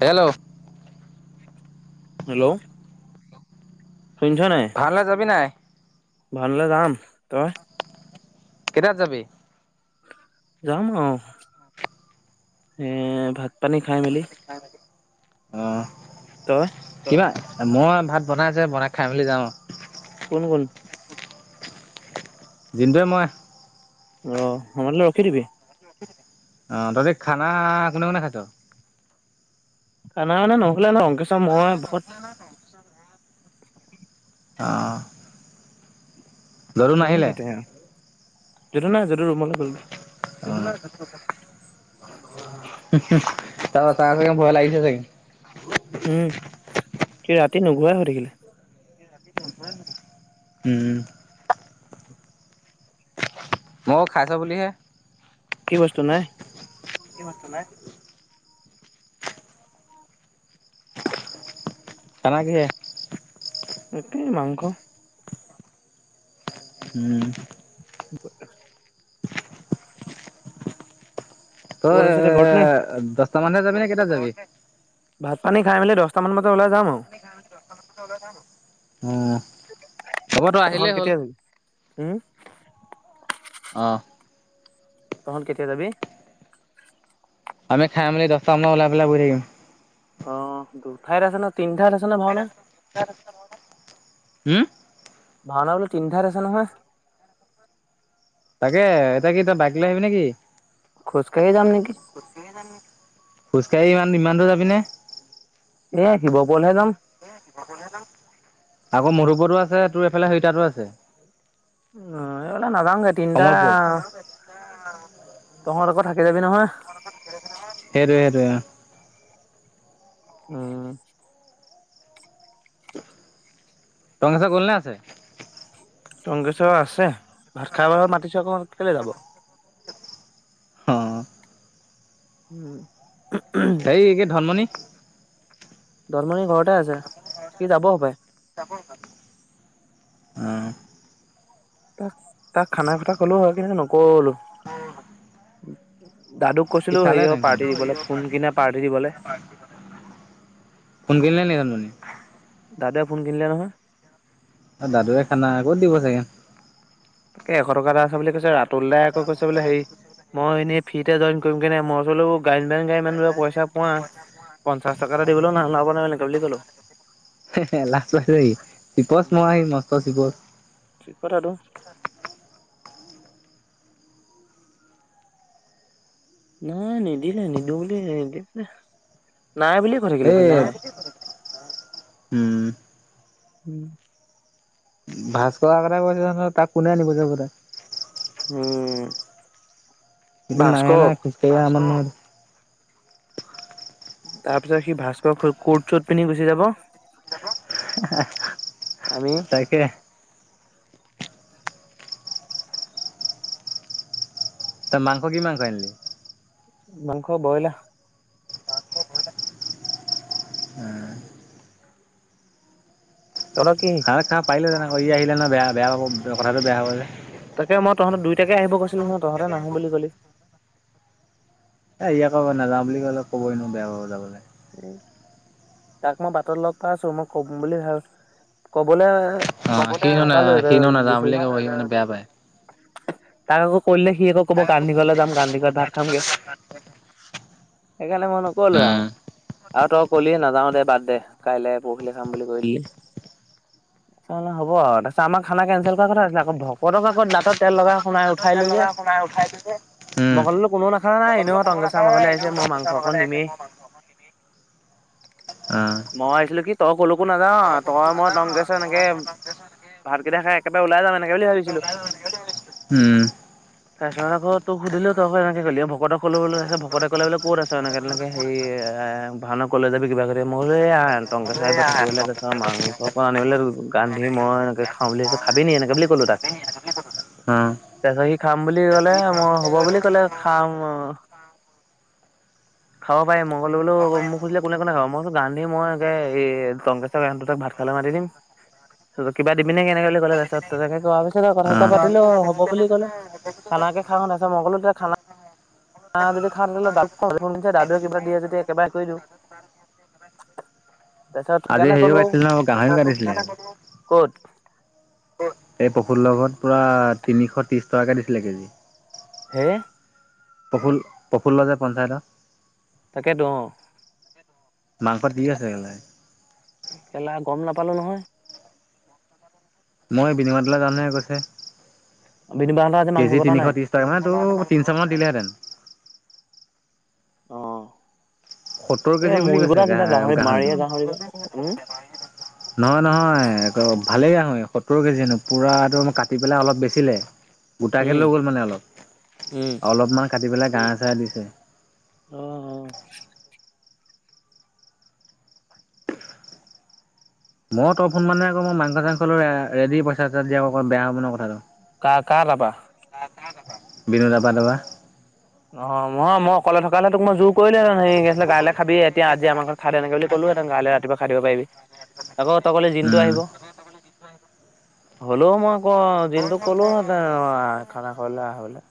Hello hello ভালে যাবি নাই ভালে যাম তই কেইটাত যাবি যাম অ এ ভাত পানী খাই মেলি আহ ত কিবা মই ভাত বনাইছে বনাই খাই মেলি যাওঁ আৰু কোন কোন যোনটোৱে মই অ ম ম ৰখি থিবি অ দাদ খানা কোনে মনে খায়তো খান মানে নহল ন অং [inaudible] অ'। যদু নাহিলে? কনেকেইটা যটো ন' ৰুমাল খুলক [inaudible] তাৰ চাগে ভয় লাগিছে। ছাগি উম, কি ৰাতি নুঘোৱাই হৈ থাকিলে। উম। মই খাইছো বুলিহে কি বস্তু নাই? কি বত নাই। তেনেকে এই মাংস উম। [inaudible] তই আছ এ এতিয়া ঘৰত নে দছটা মানহে যাব নে কেইটা যাবি? ভাত পানী খাই মেলি দহটা মান বজাত ওলাই যাম আৰু। উম। তখন কেতিয়া যিবি উম অ'। তহত কেতিয়া জাবি? আমি খাইাম বুলি দহ আম ওলাব পেলা বুৰি আহম অ' দুঠাইত আছে ন তিনি ঠাইত আছে ন ভাওনা। উম ভাওনা বোলে তিনি ঠাইত আছে নহয়। তাকে এতিয়া কি তই বাইক লৈ আহিবি নেকি? খোজকাঢ়ে যাম নেকি। খোজকাঢ়ি ইমান ইমান দূৰ যাবিনে? এ শিৱপুৰহে যাম। আকৌ মোৰপৰু আ তোৰ এইফালে সেইতো আছে উম এবলা নাজাও কটি দ অ'। তহঁত আকৌ থাকি যাবি নহয়? হেৰি হেৰি উ টঙেশ্বৰ গ'লনে আছে? চগেশৰ আছে। ভাত খাবব মাতিছে অক কেলে যাব হ উম সেই একে ধনমণি ধনমণি ঘৰতে আছে সি যাব হপাই তাপ ক [unintelligible] অঁ তাক তাক খানা খটা কলো হয় কিনে নকলো দাদুক সি কৈছিলো খালে হেৰিয়ৰ তেখা [unintelligible] ন পাৰ্টি দিবলে ফোন কিনে পাৰ্টি দিবলে কোন কিনিল ন ৰানমনি দাদাই ফোন কিনিলে নহয় দাদুৱে খানা ক'ত দিব চাগে? তাকে এশ টকা এটা আছে বুলি কৈছে ৰা সোণ দাই আকৌ কৈছে বোলে হেই মই এনে ফি যে জইন কৰিম কেনে মোৰ ওচ গ গাডী মানুহে পইচা পোৱা পঞ্চাশ কা দিব ন ন নে বুলি ক'ো [unintelligible] লাজ পাইছেহি চিপচ মৰা আহি মস্ত চিপচ ঠিক কথাটো নাই নাই দিল নাই দৌলে ন দি [unintelligible] নাই বুলিয়ে কৈ থাকিলে সি সেই নাই। উম উম ভাস্কৰ আগতে কৈছে নহ তাক কোনে আনিব যাব তাক উম এইটো নাহে ভাস্কৰক নহয় [unintelligible] তাৰ পিছত সি ভাস্কৰ কোট চোট পিন্ধি গুচি যাব আমি তাকে ত মাংস কি মাংস আনিলি মাংস বইলা অ তহঁতৰ কি হ খা পাইিল যান [unintelligible] অ ই আহিলে ন বেয়া বেয়া পাব কথাটো বেয়া হব্ যে তাকে মই তহঁতৰ দুইটাকে আহিব কৈছিলো নহয় তহঁতে নাহোম বুলি কলি। এ ই য়াক নাযাওঁ বুলি কলে কবই নো বেয়া বাব যাবলে তাক মই বাটত লগ পাই আছো মই কব বুলি ভাল কবলৈ অ সিনো ন সিনো নাযাওঁ বুলি কব সি মানে বেয়া পায় তাক আক ত ভাত খামগে [unintelligible] সেইকাৰণে মইন ক'লো আ আৰু আৰু তই কলি নাযাও দে বাৰ্থ দে কাইলে পৰহিলি খাম বুলি কলি তাৰছে হ'ব আৰু তাৰপিছত আমাৰ খানা কেনচেল কৰা কথা আছিলে আকৌ ভকতক আকৌ দাঁত তেল লগা [unintelligible] তেল লগাই সোমাই উঠাইছে মই ক'লো কোনো নাখানা অো নাই ক এনেও টংকেশ্বৰ আমাৰ ঘৰলে আহিছে মই মাংস নাথাৰ অকণ মলৈ আহিছে নিমেই। ম মানুহ অকি [unintelligible] আহ [unintelligible] মই ভাবিছিলো কি তই কলকো নাযা তই মই টং গেশৰ এনেকে ভাত কেইটা খাই একেবাৰে ওলাই যাম এনেকে বুলি ভাবিছিলো উম ফে্বত আকৌ ত সুধিলো তই আক এনেকে ক'ল ভকতক ক'লৈ আছে ভকতে ক'লেলে ক'ত আছে এনেকে তেনেকে হে [unintelligible] ভাানক ক যাবি কিবা কিব মইোল টংকেশ চাৰ পৰা থাকিব তাৰ পিছত মাংসৰ পৰা আনিব গান্ধি মই এনেকে খাাম বুলি খাবি নি এনেকে বুলি কলো তাক অ অ'। তাৰ পিছত সি খাম বুলি কলে মই হব বুলি কলে খাম খাব পাৰি মোক [unintelligible] মই কো বোলো মোক সুধিলে কোনে কোনে খাব মই গান্ধি মইে এই টংকেশৰ গ ত ভাত খালে মাতি দিম কিবা দিবিে কেনেকৈ বুলি কলে তাৰপিছতনেে ক পিছত কথা এটা পাতিলো হ'ব বুলি ক'লে খানে খা শ তছত মই ক'লো খানাা খা তে দাদে কিবা দিয়ে য [unintelligible] তেয়া একেবাৰে কৰি দিওঁ তাৰপিছত আজি সেইকাৰণে হেৰিও ক'লো গা়ছিলে ন কাহৰিও গাঢ়ছিলে ক'ত [unintelligible] এই পশুৰ লগত পূৰা তিনিশ ত্ৰিছ টকাকৈ দিছিলে কেজি হে পখ পখললাদাৰ পন্ঞ্চায়তৰ তাকেইতো অ মাংস দি আছোই কেলা গম নাপালো নহয় [unintelligible] মই বিনিময়ালা যামহে কৈছে বিনিবাহঁতৰ আজি [unintelligible] মাংস কেজি কটা তিনিশ নাই ত্ৰিশ টকা মানে তটো তিনিশ মানত দিলেহেঁতেন [unintelligible] আহ সত্তৰ কেজি বুলি কৈছে গাহৰিটো মাৰিয়ে গাহৰি উম উম নহয় নহয় আকৌ ভালেই আহোঁ এই সত্তৰ কেজি জনো পুৰাটো কাটি পেলাই অলপ বেছিলে গোটাকে লৈ গ'ল মানে অলপ উম অলপমান কাটি পেলাই গা চা দিছে আহ অ মই ত অপ সোনমানে আকৌ মই মাংস চাংসৰেদি পইচা এ দি আক বেয়া হব ন কথাটো [unintelligible] আহ কাহলাবা বিনোদ আ পাদাব [unintelligible] অ মহয় মই অকলে থকালেহে তোক মই জোৰ কৰিলেহঁতেন সেছিলে গাইলৈ খাবি এতিয়া আজি আমাৰ ঘ খাদে এনেকে বুলি কলোহেহতেনাই ৰাতিুৱা দিব পাৰিবি আকৌ তই কলে দিনটো উম আহিব হলোও মই আকৌ দিনটো কলো হেতেন আহ খানা খলে আহ হ [unintelligible]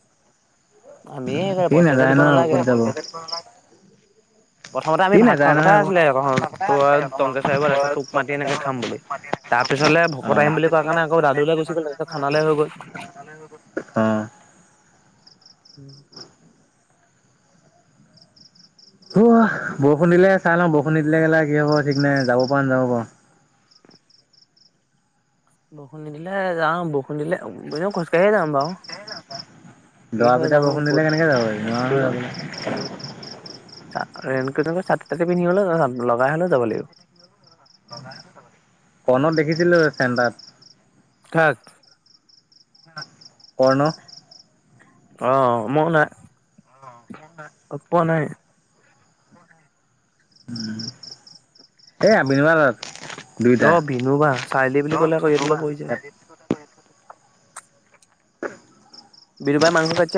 সি নাযায় ন নালাগে কত যাব প্ৰথমতে আমি সি ভাত নাযায় খোৱাৰ নহয় কথা আকৌ। আছিলে তোৰ টংকেশ্বইবৰ তাৰপিছত োক মাতি এনেকে খাম বুলি তাৰ পিছলে ভকত আহিম বুলি কোৱা কাৰণে আকৌ দাদুৈ গুচি গল তাৰপিছত খানালৈ হৈ গল অ'। অ'। [unintelligible] উম বৰষুণ দিলে চাই লওঁ বৰষুণ দি দিলে গা কি হ'ব ঠিক নাই যাব পৰা নাযাব পাৰ [unintelligible] বৰষুণদিলে যাম বৰসুণ দিলে এনে খোজকাঢ়িয়ে যাম বাৰু কি দৰা হয় পিঠা জানো বৰষুণ ক'ত দিলে কেনেকে যাব য ৰেকু চাটি তাটি পিন্ধি হলে লগাই হলেও যাব লাগিব [unintelligible] কণত দেখিছিলো চেণ্ডাত [unintelligible] থাক অনন [unintelligible] অ মই নহ অপ নাই এ আ বিনিময়ত অ বিনু বাা চাইলি বুলি ক'লে ক পৈ যায় বিৰু বাা মংস খ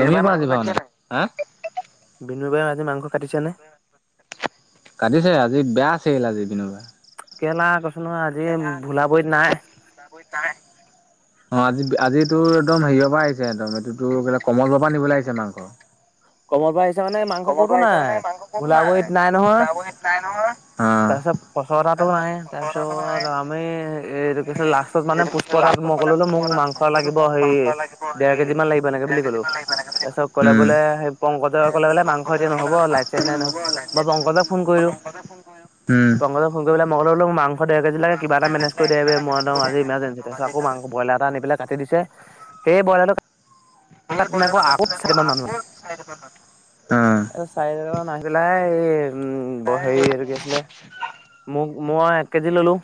দে পৰা আজিবা মানে হা বিনু বায় আজি মাংস কাটিছে নে কাটিছে আজি বেয়া আছিল আজি বিনোবা কেৰেলা কৈছ নহ আজি ভোলাবৰিত নাই অ আজি আজিটো একদম হেৰিয়ৰ পৰা আহিছে একদম এইটোতো কেলে কমলৰ পৰা নিবলৈ আহিছে মাংস কমল পাই মানে মাংস ক'তো নাই গোলাবৰিীত নাই নহয় অ তাৰপিছত ফচলাতো নাই তাৰপিছত আমি এইটো কৈছে লাষ্টত মানে পুষ্প তাত মই ক'ললো মোক মাংস লাগিব হে ডেৰ কেজি মান লাগিব এনেকে বুলি ক'লো তাৰ পিছত কলে উম বোলে সেই ক কালে মাংস এতিয়া নহব লাইছে নাই নহয় মই পংকজক ফোন কৰিলো উম পংগল ফংগিল মইোোক মাংস ডেৰ কেজি লাগে কিবা এটা মেনেজ দ দেিবি মই একম আজি ইমাৰজেঞ্চি তাৰপিছতকৌ মাং ব্ৰইলাৰ এ আনি পেল কাটি দিছে সেই বইলাৰটো তেনেকৌ আগত চাৰি মান মানু অ চাৰি মান আহি পেলাই এই হেৰি এইটো কি আছিলে মোক মই এক কেজি ললো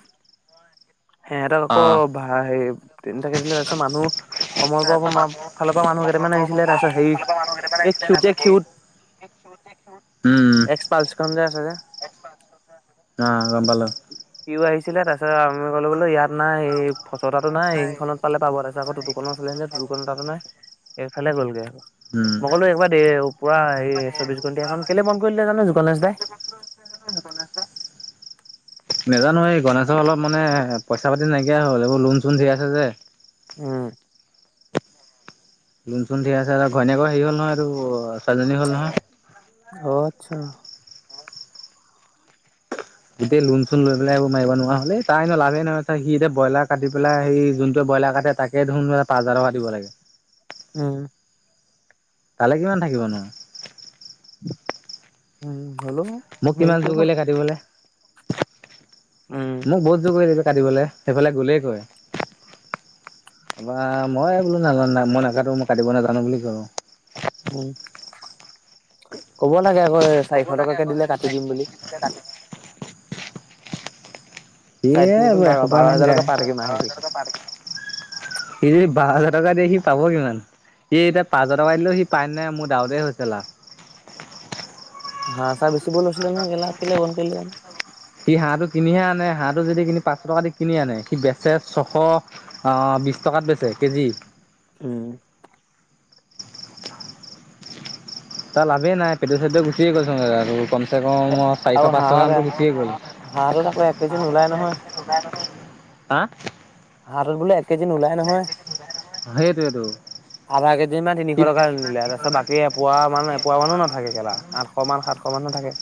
হে এ তাক আকৌ ভ অ হে তিনিটাাকেই দিলে তাৰপিছত মানুহ কমল ব ম ফালৰ পৰা মানুহ কেইটামানে আহিছিলে তাৰ পিছত হেৰি এই খ্ষিউতে খ্ষিউত উম এক্সপালচ। কম যে আছে যে। নাগাম সিও আহিছিলে তাৰপিছত আমি ক'লে বোলো ইয়াত নাই এই ফচতাটো নাই এই সেইখনত পালে পাব তাৰ পিছত আকৌ টুতুকন চলাই চালে টুতুকনৰ তাতো নাই। এইফালে গলগেৌ মই উম কলো একবাৰ দে পূৰা এই চৌবিশ ঘন্টি এখন কেলে বন্ধ কৰি দিলে জানো যোগণেশ দাই নেজানো এই গণেশৰ অলপ মানে পইচা পাতি নাইকিয়া হ'ল এইবোৰ লোণ চোন ধেই আছে যে। উম। যোন চোন ে আছে আৰু ঘৈণীয়েকৰ হেৰি হ'ল নহয় আৰু ছোৱালজনী হ'ল নহয় অ আচ্ছা। গোটেই লোণ চোণ লৈ পেলাই এইবোৰ মাৰিব নোৱাৰা হ'লে তাৰ লাভেই নহয় সি এতিয়া ব্ৰইলাৰ কাটি পেলাই সেই যোনটোৱে ব্ৰইলাৰ কাটে তাকে দেখোন পাঁচ হাজাৰ টকা দিব লাগে। উম। তালে কিমান থাকিবনো উম। হ'লেও মোক হেৰি কিমান চোৰ কৰিব কৰিলে কাটিবলে। উম, ম বহুত যুখ কৰিছে। কাটিবলৈ সেইফালে গ'লেই কয়। [unintelligible] মই বোলো নাজান মই নকাটো। মই কাটিব নাজানো বুলি কওঁ। উম কব লাগে আকৌ চাৰিশ টকাকে দিলে কাটি দিম বুলি। চাৰে এৱে তিনি আৰু গুণ বাৰ, এখোপাহ বাৰ মান হাজাৰ গায়। টকা পাই থাকিম মাহেকে। [unintelligible] সি বাৰ হাজাৰ। টকা দিয়ে সি পাব কিমান? সি এতিয়া পাঁচ হাজাৰ টকা দিলেও সি পাই নাই? মোৰ ডাউটহে হৈছে। হাঁহ চা বেছিব হৈছিলে নহয় কেলা। কেলে বন্ধ কৰিলেজানো? সি হাঁহটো কিনিহে আনে, হাঁহটো যদি কিনি পাঁচশ টকা দি কিনি আনে, সি বেচে ছশ আহ বিশ টকাত বেচে কেজি। উম। তাৰ লাভেই নাই পেট্ৰল চেট্ৰল গুচিয়ে গল চোন আৰু কম। তা ক এ মই চাৰিশ আৰু পাঁচশ হাঁহত গামটো গুচিয়ে গ'ল, হাঁহটোত আকৌ এক কেজি নোলায় নহয়। [inaudible] হা? হাঁহ টোত বোলে কেজি নোলাই নহয়। সেইটোৱেটো আধা কেজি মান তিনিশ সি টকানিলে তাৰপিছত বাকী এপোৱা মান এপোৱা মানো নাথাকে কেলা। আঠশ মান সাতশ [unintelligible] নাথাকে।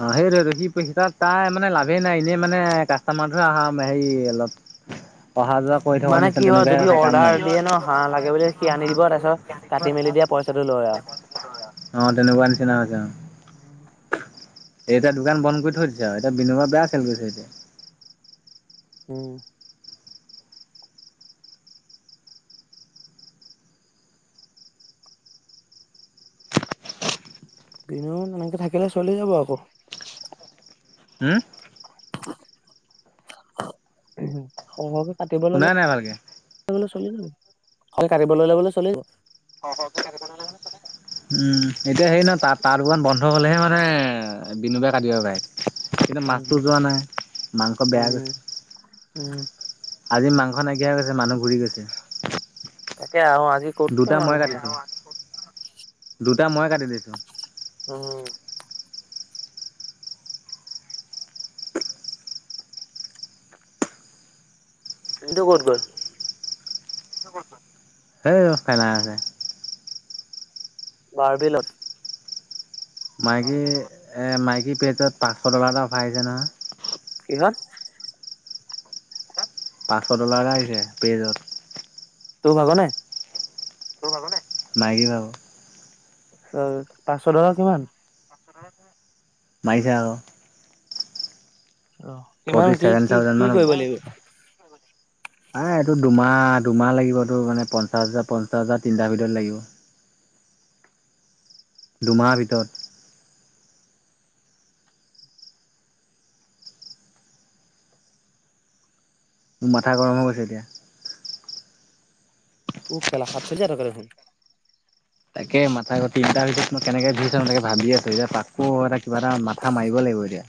অ সেইটোৱেতো কি হিচাপ তাই মানে লাভেই নাই এনেই মানে কাষ্টমাৰটোহে আহা হেৰি অলপ। অহা যোৱা কৰি থকা মানে নিচিনা কি হয় তেনেকুৱাহে যদি হৈছে কাম নাই। অৰ্ডাৰ দিয়ে ন হাঁহ লাগে বুলি সি আনি দিব তাৰপিছত কাটি মেলি দিয়া পইচাটো লয় আও। অ তেনেকুৱা নিচিনা হৈছে অ। এ এতিয়া দোকান বন্ধ কৰি থৈ দিছে আও। এতিয়া [unintelligible] বেয়া চেল গৈছে এতিয়া। উম। বিনো এনেকে থাকিলে চলি যাব আকৌ। হম? [unintelligible] আতিব ললে শুনাই নাই ভালকে [unintelligible] অল কাটিব ললে বোলো চলি যাব। [unintelligible] উম এতিয়া হেৰি নহ তাৰ তাৰ দুকান বন্ধ। হ'লেহে মানে বিনোবে কাটিব পাই। কিন্তু মাছটো উম যোৱা নাই মাংস বেয়া উম গৈছে। উম আজি মাংস নাইকিয়া হৈ গৈছে মানুহ ঘূৰি গৈছে। তাকে আ দুটা মই কাটিছোঁ। দুটা মই কাটি দিছোঁ। উম। এইটো ক'ত গল। সেই [unintelligible] মাৰ্বিলত। মাইকী এ মাইকী পেজত পাঁচশ টকা এটা অফাৰ আহিছে নহয়। কিহত? পাঁচশ ডলাৰ এটা আহিছে পেজত। তোৰ ভাগ্ নাই? তোৰ ভাগৰ নাই? মাইকি ভাগৰ। পাঁচশ ডলাৰ কিমান? মাৰি চা ক। অ কিমান কি ছেভেন কি কি কৰিব লাগিব? আ এইটো দুমাহ দুমাহ লাগিব এটো মানে পঞ্চাশ হাজাৰ, পঞ্চাশ হাজাৰ তিনটাৰ ভিতৰত লাগিব। দুমাহাৰ ভিতৰত মোৰ মাথা গৰম হৈ গৈছে এতিয়া উ খেলা সাত ছজাৰ কা দেখোন তাকে মাথা গতি তিনটাৰ ভিতৰত মই কেনেকে দি চাও তাকে ভাবি আছো এতিয়া তাকো এটা কিবা এটা মাথা মাৰিব লাগিব এতিয়া।